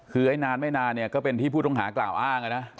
คือไอ้นานไม่นานเนี่ยก็เป็นที่ผู้ต้องหากล่าวอ้างนะ